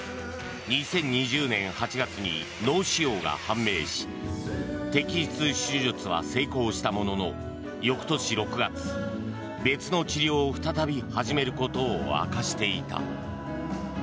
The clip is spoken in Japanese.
２０２０年８月に脳腫瘍が判明し摘出手術は成功したものの翌年６月別の治療を再び始めることを明かしていた。